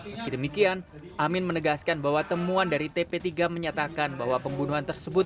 meski demikian amin menegaskan bahwa temuan dari tp tiga menyatakan bahwa pembunuhan tersebut